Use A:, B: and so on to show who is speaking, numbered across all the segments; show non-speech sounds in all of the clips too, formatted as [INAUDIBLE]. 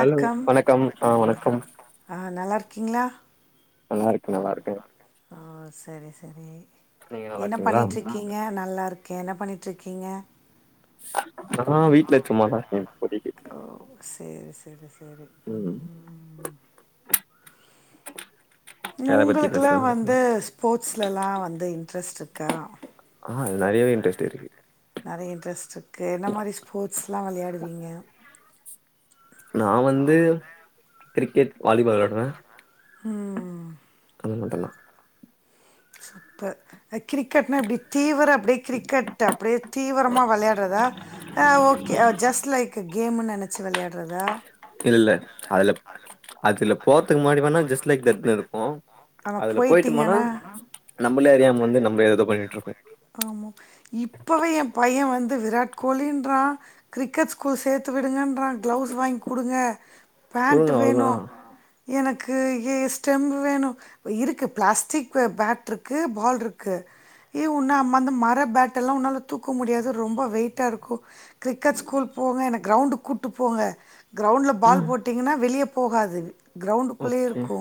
A: Hello வணக்கம் ஆ வணக்கம்
B: ஆ நல்லா இருக்கீங்களா
A: நல்லா இருக்
B: ஓ செரி செரி
A: நீங்க நல்லா
B: என்ன
A: இருக்கீங்களா
B: பண்ணிட்டு இருக்கீங் இங்க நல்லா இருக்கே என்ன பண்ணிட்டு இருக்கீங்க
A: நா வீட்ல சும்மாதா இருக்கே இப்போதைக்கு
B: ஓ செரி செரி செரி ம்
A: எத பத்தி
B: உங்களுக்கெல்லா
A: பேசலானு சொன்னா
B: வந்து ஸ்போர்ட்ஸ்லலா வந்து இன்ட்ரெஸ்ட் இருக்கா
A: ஆ அது நெறையவே இன்ட்ரெஸ்ட் இருக்கு
B: நெறைய இன்ட்ரெஸ்ட் இருக்கு என்ன மாரி ஸ்போர்ட்ஸ்லா விளையாடுவீங்க
A: நா வந்து கிரிக்கெட் வாலிபால் விளாடுவ
B: ம்
A: அது மட்டுந்தா
B: சூப்பர் அ கிரிக்கெட்னா எப்டி தீவிர அப்டியே கிரிக்கெட் அப்டியே தீவிரமா விளையாடுறதா அ ஓகே ஜஸ்ட் லைக் தட் கேம்னு நெனச்சி விளையாட்றது
A: இல்ல அதுல அதுல போர்த்துக்கு முன்னாடி வேனா ஜஸ்ட் லைக் தட்ன்னு இருக்கு
B: ஆனால்
A: அதுல போயிட்டம்னா
B: போயிட்டிங்கன்னா
A: நம்மளே அறியாம வந்து நம்ம எத பண்ணிட்டு இருக்
B: ஆமா இப்பவே எ பைய வந்து விராட் கோலின்றா கிரிக்கெட் ஸ்கூல் சேத்து விடுங்கன் ம்மா கிளவுஸ் வாங்கி குடுங்க பேண்ட்
A: குடுங்க அவ்ளோதா
B: வேணு எனக்கு ஏ ஸ்டெம் வேணு இருக்கு பிளாஸ்டிக் பேட் ருக்கு பால் ருக்கு ஏ உன்ன அம்ம அந்த மர பேட்டெல்லா உன்னால தூக்க முடியாது ரொம்ப வெயிட்டாருக்கு கிரிக்கெட் ஸ்கூல் போங்க எனக்கு கிரௌண்டுக் கூட்டு போங்க க்ரௌண்ல
A: ம்
B: பால் போட்டிங்கன்னா வெளிய போகாது அது க்ரௌண்டுக்குள்ளயே
A: ஓகே
B: இருக்கூ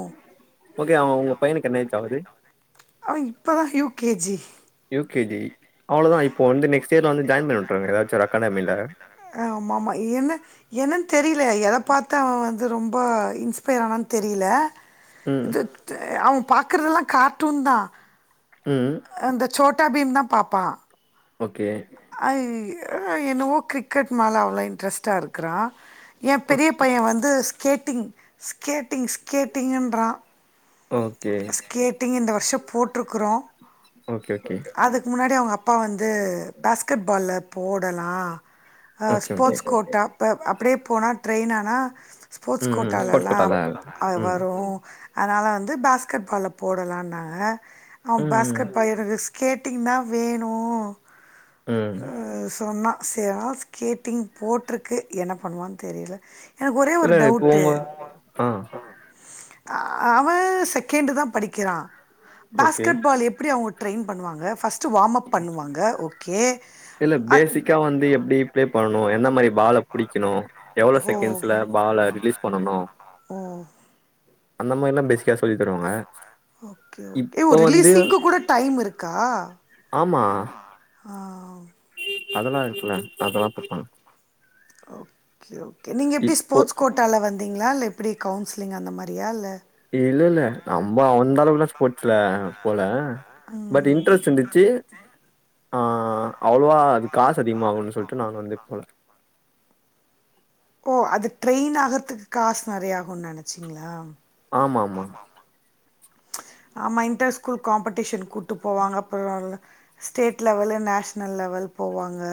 A: ஓகே அவ உங்க பையனுக்கு என்ன ஏஜ் ஆகுது
B: அவ இப்போ தா U K G
A: U K G அவ்ளோ தா இப்ப வந்து நெக்ஸ்ட் இயர்ல வந்து ஜாயின் பண்ணி வுட்ருங்க எதாச்சு ஒரு அகாடமில
B: ஆமாமா ஏனா என்னன் தெரில எத பாத்து அவ வந்து ரொம்ப இன்ஸ்பயர் ஆனானு தெரில
A: ம்
B: இது அவ பாக்குறதெல்லா கார்ட்டூன் தா
A: ம்ம்
B: அந்த சோட்டா பீம் தா பாப்பா
A: ஓகே
B: அ என்னவோ கிரிக்கெட் மேல அவ்ளோ இன்ட்ரெஸ்ட்டா இருக்றா எ பெரிய பைய வந்து ஸ்கேட்டிங் ஸ்கேட்டிங் ஸ்கேட்டிங்கின்றா ஸ்கேட்டிங் இந்த வர்ஷொ போ ட்ருக்குறோ அதுக்கு முன்னாடி அவங்க அப்பா வந்து இது பேஸ்கெட் பால்ல போடலா
A: ஓகே, ஓகே.
B: ஸ்போட்ஸ் கோட்டா இப்ப அப்டியே போனா ட்ரெயின் ஆனா ஸ்போர்ட்ஸ்
A: ம், ம். ஸ்போர்ட்ஸ்
B: கோட்டாலல
A: கோட்டால. ம்.
B: வரு அதனால வந்து பேஸ்கட் பால்ல போடலான்னாக அவ
A: ம், ம்,
B: பேஸ்கட் பால் என ரிஸ்க கேட்டிங்னா வேணு
A: ம்.
B: ஆ சொன்னா [UNINTELLIGIBLE] ஸ்கேட்டிங் போட்டிருக்கு என்ன பண்ணுவான் தெரில எனக்கு ஒரே ஒரு
A: இல்ல இப்போ
B: டவுட்டு
A: உங்க ஆ.
B: அவ செகண்டு தா படிக்கிறா
A: ஓகே.
B: பேஸ்கெட் பால் எப்படி அவங்க ட்ரெயின் பண்ணுவாங்க ஃபஸ்ட் வாம் அப் பண்ணுவாங்க ஓகே
A: இல்ல
B: அ
A: பேசிக்கா வந்து எப்டி பிளே பண்ணணு எந்த மாரி பால புடிக்கணு எவ்ளோ செகண்ட்ஸ்ல பால ரிலீஸ் பண்ணனு
B: ம்ம்
A: அந்த மாரி எல்லா பேசிக்கா சொல்லி தருவாங்க
B: ஓகே ஓகே ஓ
A: இப்போ வந்து
B: ரிலீஸிங்க்கு கூட டைம் இருக்கா ஆமா
A: அதெல்லா இருக்கில்ல
B: ஓகே ஓகே நீங்க எப்டி
A: இப்போ
B: ஸ்போட்ஸ் கோட் ட்டால வந்தீங்ளா இல்ல எப்டி கவுன்சிலிங் அந்த மாரியா இல்ல
A: இல்ல ல்ல நம்ம அந்த அளவுக்கெல்லா ஸ்போட்ஸ்ல போல பட் இன்ட்ரெஸ்ட் இருந்துச்சு அ அவ்வளோவா அது காசு அதிகமாகுன்னு சொல்லிட்டு நான் வந்து போல
B: ஓ அது ட்ரெயின் ஆகுறதுக்கு காசு நெறைய ஆகுன்னு நெனச்சீங்ளா
A: ஆமாமா.
B: ஆமா இன்டர் ஸ்கூல் காம்படீஷன் கூட்டு போவாங்க அப்பறல்ல ஸ்டேட் லெவலு நேஷனல் லெவல் போவாங்க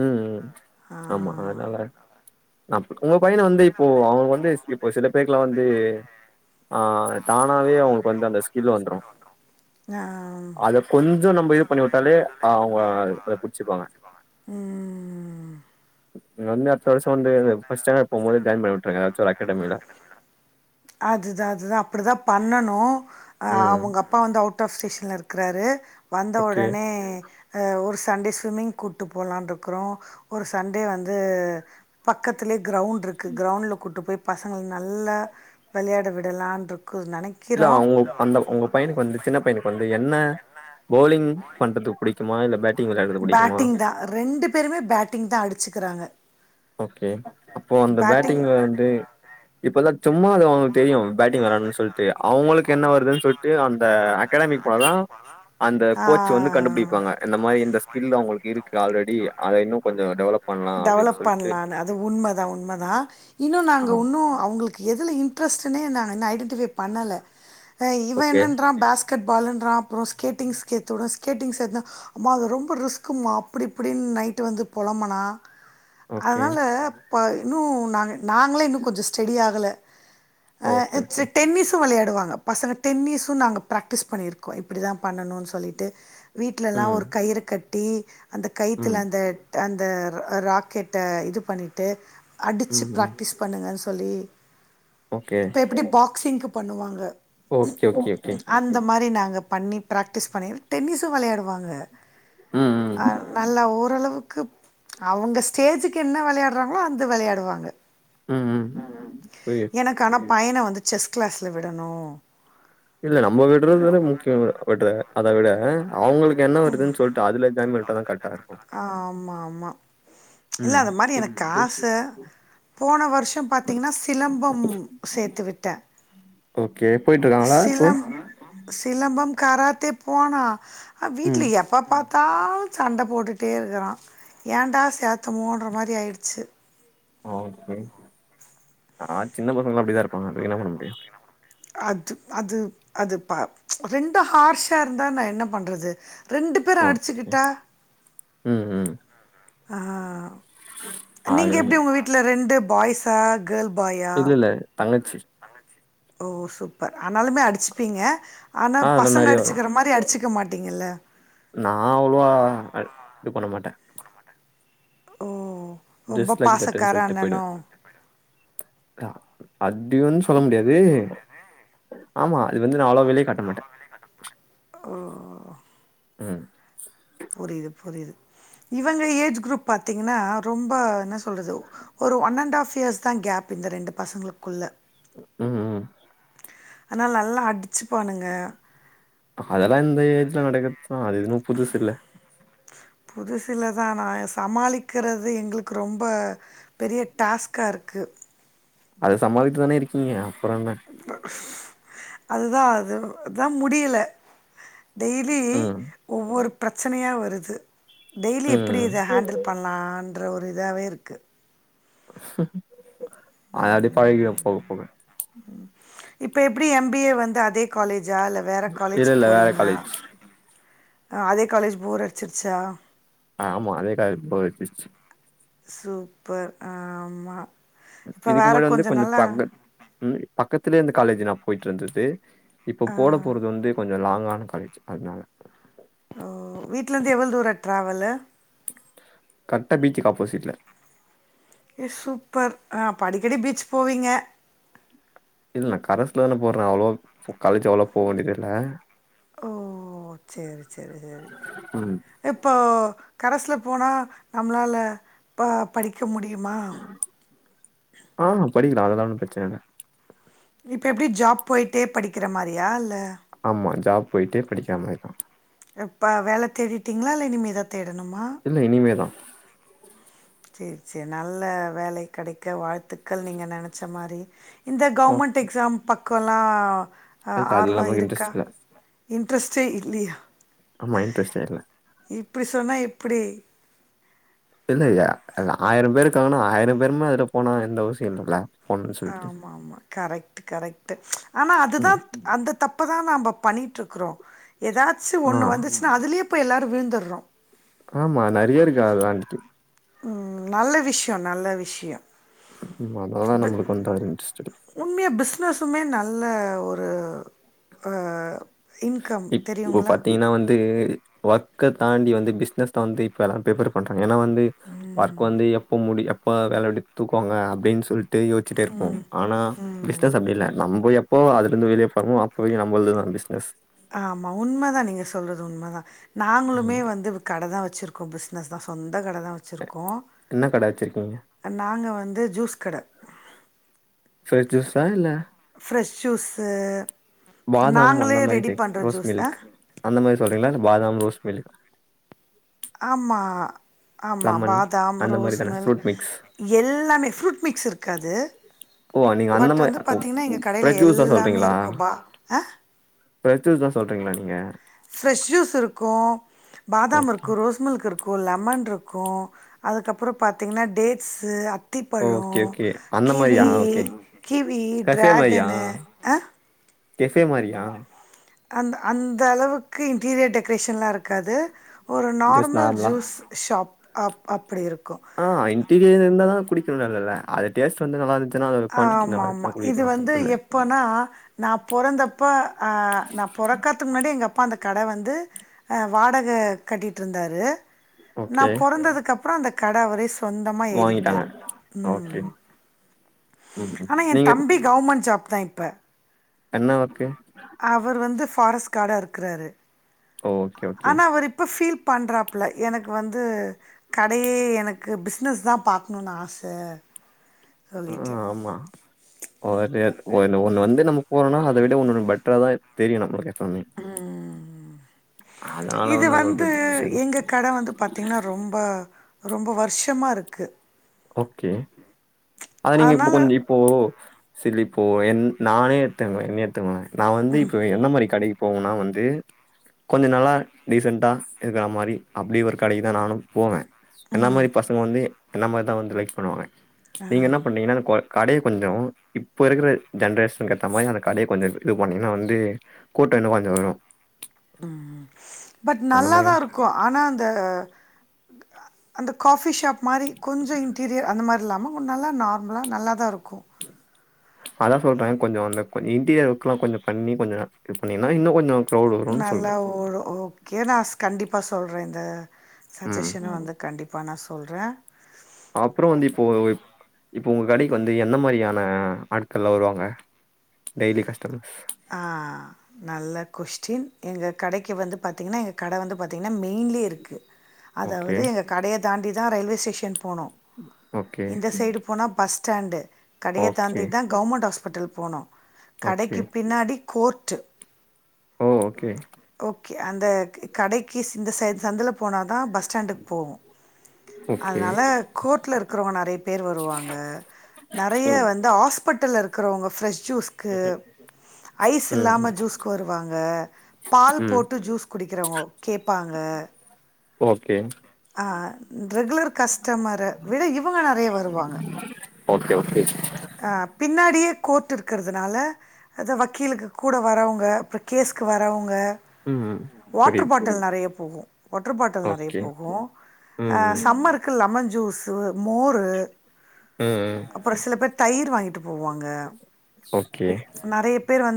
A: ம்ம்
B: ஆ
A: ஆமா அத்னால உங்க பையன வந்து இப்போ அவுங்க வந்து இப்போ சில பேருக்குலா வந்து ஆ தானாவே அவுங்களுக்கு வந்து அந்த ஸ்கில் வந்துரு
B: ஆ
A: அத கொஞ்ச நம்ப இது பண்ணி விட்டாலே அவுங்க அத புடிச்சுக்குவாங்க
B: ம்
A: வந்து அடுத்த வருஷ வந்து ஃபஸ்ட் ஸ்டாண்டர்ட் போம்போது ஜாயின் பண்ணி உட்டுருங்க எதாச்சு ஒரு அகாடமில
B: அதுதா அதுதா அப்டிதா பண்ணணு ஆ
A: ம்.
B: அவுங்க அப்பா வந்து அவுட் ஆஃப் ஸ்டேஷன்ல இருக்கிறாரு வந்த
A: ஓகே.
B: ஒடனே ஒரு சண்டே ஸ்விம்மிங் கூட்டு போலான் இருக்குறோ ஒரு சண்டே வந்து பக்கத்துலேயே கிரௌண்ட் இருக்கு கிரௌண்ட்ல கூட்டு போய் பசங்க நல்லா வெளையாட விடலான்ருக் கோ நெனைக்
A: இல்ல அவுங்க அந்த உங்க பையனுக்கு வந்து சின்ன பையனுக்கு வந்து என்ன பவுலிங் பண்றதுக் புடிக்குமா இல்ல பேட்டிங் வெளாட்றது புடிக்குமா
B: ஆ ரெண்டு பேருமே பேட்டிங் தா அடிச்சுக்கிறாங்க
A: ஓகே அப்போ அந்த
B: பேட்டிங்
A: பேட்டிங்ல வந்து இப்பதா சும்மா அது அவுங்களுக்கு தெரியு பேட்டிங் வெளாட்னனு சொல்ட்டு அவுங்களுக்கு என்ன வருதுன்னு சொல்ட் டு அந்த அகாடமிக் போனா தா அந்த கோச் வந்து
B: ஏதாச்சு
A: கண்டுபிடி ப்பாங்க இந்த மாரி இந்த ஸ்கில் அவுங்களுக்கு இருக்கு ஆல்ரெடி அத இன்னு கொஞ்ச டெவலப் பண்லா அப்டின்னு சொல்ட்
B: இது உண்ம தா உண்ம தா இன்னு
A: ஆ
B: நாங்க உன்னு அவுங்களுக் எதுல இன்ட்ரெஸ்ட்டுன்னே நாங்க இன்று ஐடென்டிஃபை பண்ணல ஆ இவ
A: ஓகே
B: என்னன்றா பாஸ்க் கெட் பாலுன்றா அப்புற ஸ்கேட்டிங் சேத்து உடு ஸ்கேட்டிங் சேந்தா அம்மா அது ரொம்ப ரிஸ்க்கும்மா அப்டி இப்டின்னு நைட்டு வந்து பொலம்புனா
A: ஓகே
B: அதனால இப்ப இன்னு நாங்க நாங்களே இன்னு கொஞ்ச ஸ்டெடி ஆகல ஆ
A: ஓகே ஓகே
B: ச்சுக் டென்னிஸும் வெளையாடுவாங்க பசங்க டென்னிஸும் நாங்க ப்ராக்டிஸ் பண்ணிருக்கோ இப்டி தா பண்ணணுன் சொல்லிட்டு வீட்லல்லா
A: ம்
B: ஒரு கயிறு கட்டி அந்த
A: ம்
B: கயித்துல அந்த அந்த ர ராக்கெட்ட இது பண்ணிட்டு அடிச்சி
A: ம் ம்
B: ப்ராக்டிஸ் பண்ணுங்கனு சொல்லி
A: ஓகே
B: இப்ப எப்டி பாக்சிங்கு பண்ணுவாங்க
A: ஓகே ஓகே ஓகே
B: அந்த மாரி நாங்க பண்ணி ப்ராக்டிஸ் பண்ணி டென்னிஸு வெளையாடுவாங்க
A: ம் ம்
B: அ நல்லா ஓரளவுக்கு அவங்க ஸ்டேஜுக்கு என்ன வெளையாடுறாங்ளோ அந்து வெளையாடுவாங்க
A: ம் ம் புரியுது
B: எனக்கு ஆனா பையன வந்து செஸ் கிளாஸ்ல விடணு
A: இல்ல நம்ம விட்றது தான முக்கியமான விட்ற அத விட ஆ அவுங்களுக்கு என்ன வருதுன்னு சொல்லிட்டு அதுல ஜாயின் பண்ணி விட்டாதா கரெட்டா இருக்கு
B: ஆமா ஆமா இல்ல
A: ம்
B: அத மாரி எனக்கு
A: இப்போ
B: ஆச போன வருஷ பாத்தீங்கன்னா சிலம்பம் சேத்து விட்ட
A: ஓகே போயிட்ருக்காங்களா இப்போ
B: சிலம் சிலம்பம் காரத்தே போனா ஆ வீட்ல
A: ம்
B: எப் ப பாத்தாலு சண்ட போட்டுட்டே இருக்குறா ஏன்டா சேத்தமோன்ற மாரி ஆயிடுச்சி
A: ஓகே ஆ சின்ன பசங்கள்லா அப்டிதா இருப்பாங்க அதுக்கு என்ன பண்ண முடியு
B: அது அது அது பா ரெண்டு ஹார்ஷா இருந்தா நா என்ன பண்றது ரெண்டு பேரு
A: ஓகே
B: அடிச்சிக்கிட்டா
A: ம் ம்
B: ஆஹ நீங்க
A: அது
B: எப்டி உங்க வீட்ல ரெண்டு பாய்ஸா கேர்ள் பாயா
A: இல்ல இல்ல தங்கச்சி
B: ஓ சூப்பர் ஆனாலுமே அடிச் சிப்பீங்க ஆனா
A: ஆ அதுல
B: பசங்க
A: நெறைய வரு
B: அடிச்சுக்கிற மாரி அடிச்சிக்க மாட்டிங்கல்ல
A: நா அவ்ளவா அ இது பண்ண மாட்ட
B: ஓ ரொம்ப
A: ஜஸ்ட் லைக்
B: பாசக்கார அண்ணணோ
A: அ அப்டியுன் சொல்ல முடியாது ஆமா அது வந்து நா அவ்ளோவா வெளிய காட்ட மாட்ட
B: ஓ
A: ம்
B: புரியுது புரியுது இவங்க ஏஜ் குரூப் பாத்தீங்கன்னா ரொம்ப என்ன சொ ல்றது ஒரு ஒன் அண்ட் ஹாஃப் இயர்ஸ் தா கேப் இந்த ரெண்டு பசங்களுக்குள்ள
A: ம் ம்
B: அதனால நல்லா அடிச்சிப்பானுங்க
A: அதெல்லா இந்த ஏஜில நடக்கத்தா அது இதுனு புதுசு இல்ல
B: புதுசு இல்லதா நா சமாளிக்கிறது எங்களுக்கு ரொம்ப பெரிய டாஸ்க்கா இருக்கு
A: அத சமாளிச்சிதான இருக்கீங்க அப்புற என்ன
B: அதுதா அது அதா முடியல டெய்லி
A: ம்
B: ஒவ்வொரு பிரச்சனையா வருது டெய்லி
A: ம்
B: எப்டி
A: ம்.
B: இத ஹாண்டில் பண்லான்ற ஒரு இதாவே இருக்கு
A: அப்டி பழகிரு போக போக
B: இப்ப எப்டி எம் பி ஏ வந்து அதே காலேஜா இல்ல வேற
A: இல்ல
B: காலேஜ்
A: இல்ல வேற
B: போறீங்களா
A: காலேஜ்
B: அதே காலேஜ் போர் அடிச்சிருச்சா
A: ஆமா காலேஜ் போர் அடிச்சிச்சி
B: சூப்பர் ஆமா
A: இதுக்கு முன்னாடி வந்து கொஞ்ச பக்கத் ம் பக்கத்திலயே இருந்த காலேஜ் நா போயிட்டு இருந்தது இப்ப போடப்
B: ஆ
A: போறது வந்து கொஞ்ச லாங்கான காலேஜ் அதுனால
B: ஓ வீட்லருந்து எவ்ளோ தூர ட்ராவலு
A: கரட்ட பீச்சிக்கு ஆப்போசிட்ல
B: ஏ சூப்பர் ஆ அப்ப அடிக்கடி பீச் போவீங்க
A: இல்ல நா கரஸ்ல தான போற அவ்ளோவா காலேஜ் அவ்ளோவா போ வேண்டியது இல்ல
B: ஓ சேரி சேரி சேரி
A: ம்.
B: இப்போ கரஸ்ல போனா நம்மளால ப படிக்க முடியுமா
A: ஆ படிக்கலா அதெல்லா ஒண்ணு பிரச்சன இல்ல
B: இப்ப எப்டி ஜாப் போயிட்டே படிக்கிற மாரியா இல்ல
A: ஆமா ஜாப் போய்ட்டே படிக்கிற மாரிதா
B: இப்ப வேல தேடிட்டிங்களா இல்ல இனிமேதா தேடணுமா
A: இல்ல இனிமே தா
B: சேர் சேர் நல்ல வேலை கிடைக்க வாழ் த்துக்கள் நீங்க நெனச்ச மாரி இந்த
A: ஓ!
B: கவுன்மெண்ட் எக்ஸாம் பக்கம்லா அ
A: இல்ல அதுல
B: ஆர்வ
A: நமக்கு
B: இருக்கா
A: இன்ட்ரெஸ்ட் இல்ல.
B: இன்ட்ரெஸ்ட்டே இல்லையா
A: ஆமா இண்ட்ரெஸ்ட்டே இல்ல
B: இப்டி சொன்னா எப்டி
A: இல்லயா அது ஆயிரம் பேரு இருக்காங்கனா ஆயிரம் பேருமே அதுல போனா எந்த அவசியம் இல்லல்ல போணும்னு சொல்லிட்டு.
B: ஆமா ஆமா கரெக்ட் கரெக்ட் ஆனா அதுதா
A: ம்.
B: அந்த தப்பதா நாம பண்ணிட்டு இருக்கிறோ ஏதாச்சு
A: ஆ.
B: ஒண்ணு வந்து அதுலயே போய் எல்லாரு விழுந்தரோ
A: ஆமா நெறைய இருக்கு அதுல அந்த து
B: உம் நல்ல விஷயோ நல்ல விஷயோ
A: அதால நம்மளுக்கு கொஞ்சோ வந்து இன்ட்ரெஸ்டு இல்ல
B: உண்மையா பிஸ்னஸுமே நல்ல ஒரு இன்கம்
A: இப்போ
B: தெரியுங்களா
A: பாத்தீங்கன்னா வந்து ஒர்க்க தாண்டி வந்து பிஸ்னஸ் தா வந்து இப்ப எல்லாம் பிரிஃபர் பண்றாங்க ஏன்னா வந்து ஒர்க் வந்து எப்ப முடி எப்ப வேலைைய விட்டு தூக்குவாங்க அப்டின்னு சொல்லிட்டு இதே யோச்சிட்டே இருப்போ ஆனா
B: ம்
A: பிஸ்னஸ் அப்டி இல்ல நம்ம எப்போ அதுல இருந்து வெளியே போறமோ அப்போ நம்மளது தா பிசினஸ்
B: ஆமா உண்மதா நீங்க சொல்றது உண்மதா நாங்களுமே வந்து கட தா வச்சுருக்கோ பிஸ்னஸ் தா சொந்த கட தா வச்சுருக்கோ
A: என்ன கட வச்சிருக்கீங்க
B: நாங்க வந்து ஜூஸ் கட
A: பிரஷ் ஜூஸா இல்ல
B: ஃப்ரெஷ் ஜூஸ்ஸு
A: பாதாம் அந்த மாரி கேக் ரோஸ்
B: ஆ
A: மில்க் அந்த மாரி சொல்றீங்களா இல்ல பாதாம் ரோஸ் மில்க்
B: ஆமா ஆமா
A: லெமன்
B: பாதாம்
A: அந்த மாரி
B: ரோஸ்
A: தான?
B: Mill
A: fruit mix.
B: எல்லாமே ஃப்ரூட் மிக்ஸ் இருக்காது
A: ஓ! நீங்க அந்த
B: பட்
A: மாரி
B: வந்து
A: ஓ
B: பாத்தீங்கன்னா எங்க கடையில
A: ஃப்ரெஷ் ஜூஸ் தான்
B: எல்லாமே
A: சொல்றீங்களா?
B: இருக்கும் பா ஆ
A: ஃப்ரெஷ் ஜூஸ் தான் சொல்றீங்களா நீங்க?
B: ஃபிரஷ் ஜூஸ் இருக்கு பாதாம்
A: ஓகே.
B: இருக்கு ரோஸ் ஸ்மில்க் இருக்கு லெமன் இருக்கு அதுக்கப்புறம் பாத்தீங்கன்னா டேட்ஸு அ
A: ஓகே
B: அத்திப்பழம்
A: ஓகே அந்த மாரியா?
B: Kiwi
A: okay.
B: கிவி ட்ராகனு ஆ
A: கேஃபே மாரியா
B: அந் அந்த அளவுக்கு இன்டீரியர் டெக்ரேஷன்லா இருக்காது ஒரு
A: ஜஸ்ட்
B: நார்மல்
A: நார்மலா?
B: ஜூஸ் ஷாப் அப் அப்டி இருக்கு
A: ஆ இன்டீரியர் இருந்தா தான் குடிக்கணு இல்லல அ டேஸ்ட் வந்து நல்லாந்துச்சன்னா அதோட குவாண்ட்டிடி
B: ஆமா,
A: நல்ல
B: ஆமா.
A: இருந்துசுன
B: இது
A: குடிக்குறதுல
B: வந்து
A: தப்பில்ல
B: எப்போனா நா பொறந்தப்போ நா பொறக்கத்துக்கு முன்னாடியே எங்க அப்பா அந்த கட வந்து வாடக கட்டிட்டு இருந்தாரு
A: ஓகே.
B: நான் பொறந்ததுக்கு அப்புறோ அந்த கட அவரே சொந்தமா
A: வாங்கிட்டாங்க.
B: எழுதிக்கிட்டாரு
A: ஓகே.
B: உம்
A: ம். ம்.
B: ஆனா எ
A: நீங்க இப்ப
B: தம்பி கவர்மெண்ட் ஜாப் தா இப்ப
A: என்ன ஒர்க்
B: அவர் வந்து ஃபாரஸ்ட் கார்டா இருக்குறாரு
A: ஓகே ஓகே.
B: ஆனா அவர் இப்போ ஃபீல் பண்றாப்ல எனக்கு வந்து கடையே எனக்கு பிஸ்னஸ் தா பாக்கணும்னு ஆச
A: ஆ
B: சொல்லிட்டு.
A: ஆமா ஒரு ஒ ஒண்ணு வந்து நமக்கு போறோம்னா அதை விட ஒன்னு வந்து பெட்ரா தா தெரியும் நம்மளுக்கு உம் அதுனால
B: இது
A: ஒண்னு
B: வந்து
A: பிரட்சனை இல்ல
B: எங்க கட வந்து
A: சரிங்க
B: பாத்தீங்கன்னா, ரொம்ப ரொம்ப வருஷமாக இருக்கு
A: ஓகே அது நீங்க இப்போ
B: அதனால
A: கொஞ்சோ இப்போ சரி இப்போ என் நானே இருக் தேவ தா என்னயேடுத்துருவாங்க நா வந்து இப்ப எந்த மாதிரி கடைக்கு போனுன்னா வந்து கொஞ்சோ நல்லா டீசெண்ட்டா இருக்கிற மாரி அப்டி ஒரு கடைக்கு தா நானும் போவே என்ன
B: ம்.
A: மாரி பசங்க வந்து என்ன மாரிதா வந்து லைக் பண்ணுவாங்க
B: அ
A: நீங்க என்ன பண்ணீங்கன்னா குவா கடைய கொஞ்ச இப்ப இருக்கிற ஜென்ரேஷனுக்கு ஏத்த மாரி அந்த கடைய கொஞ்ச இம்ப்ரூவ் பண்ணிங்கனா வந்து கூட்ட இன்னமு அங்க வரு
B: ம் பட்
A: அந்த மாரி
B: நல்லாதா இருக்கு ஆனா அந்த அந்த காஃபி ஷாப் மாரி கொஞ்ச இன்டீரியர் அந்த மாரி இல்லாம உன்னால நார்மலா நல்லா தா இருக்கு
A: அதா சொல்றே கொஞ்ச அந்த கொ இன்டீயர் ஒர்க்லா கொஞ்ச பண்ணி கொஞ்ச நல் [INAUDIBLE] இது பண்ணீங்னா இன்ன கொஞ்ச க்ரௌடு வருன்னு
B: நல்லா
A: சொல்றே
B: ஒரு ஓகே நா கண்டிப்பா சொல்றே இந்த
A: ம்
B: சஜஷன் வந்து கண்டிப் ப்பா நா சொல்றே
A: அப்றோ வந்து இப்போ வரை இப்போ உங்க கடைக்கு வந்து எந்த மாரியான ஆட்கள்லா வருவாங்க டெய்லி கஸ்டமர்ஸ்
B: ஆ நல்ல கொஸ்டின் எங்க கடைக்கு வந்து பாத்தீங்னா எங்க கட வந்து பாத் த்தீங்னா மெயின்லே இருக்கு
A: ஓகே,
B: அதாவது எங்க கடைய தாண்டி தா ரயில்வே ஸ்டேஷன் போனு
A: ஓகே,
B: இந்த சைடு போனா பஸ் ஸ்டாண்டு கடைய
A: ஓகே,
B: தாண்டிதா கவர்மெண்ட் ஹாஸ்பிட்டல் போனு
A: ஓகே.
B: கடைக்கு பின்னாடி கோர்ட்டு
A: ஓ ஓகே
B: ஓகே அந்த க கடைக்கு ஸ் இந்த சைடு சந்துல போனா தா பஸ் ஸ்டாண்டுக்கு போவோ
A: ஓகே.
B: அதனால கோர்ட்ல இருக்கிறவ்ங்க நெறைய பேர் வருவாங்க நெறைய
A: ம்,
B: வந்து ஹாஸ்பிட்டல்ல இருக்கிறவ்ங்க ஃப்ரெஷ் ஜூஸ்க்கு ஐஸ்
A: ம்,
B: இல்லாம
A: ம்.
B: ஜூஸ்க்கு வருவாங்க பால்
A: ம்.
B: போட்டு ஜூஸ் குடிக்கிறவ்ங்க கேப்பாங்க
A: ஓகே
B: ஆ ரெகுலர் கஸ்டமர விட இவுங்க நெறையா வருவாங்க
A: ஓகே, ஓகே.
B: ஆ பின்னாடியே கோர்ட் இருக்கறதுனால அது வக்கீலுக்கு கூட வரவுங்க அப்ற கேஸ்குக்கு வரவுங்க
A: ம், ம்.
B: வாட்ரு
A: புரியுது.
B: பாட்டில் நெறைய போகு வாட்ரு பாட் டில் நெறைய
A: ஓகே.
B: போகு அ
A: ம், ம்,
B: சம்மருக்கு லெமன் ஜூஸு மோரு
A: ம் ம்
B: ஒரு சில பேர் தயிரு வாங்கிட்டு போவாங்க
A: ஓகே.
B: நெறைய பேரு வந்து